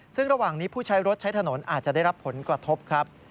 ซึ่งระหว่างนี้ผู้ใช้รถใช้ถนนอาจจะได้รับผลกระทบครับ